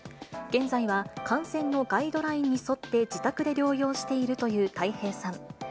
現在は感染のガイドラインに沿って、自宅で療養しているというたい平さん。